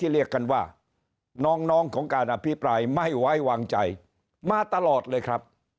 เรียกกันว่าน้องของการอภิปรายไม่ไว้วางใจมาตลอดเลยครับ